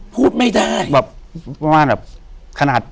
อยู่ที่แม่ศรีวิรัยิลครับ